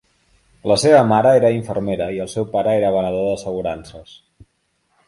La seva mare era infermera i el seu pare era venedor d'assegurances.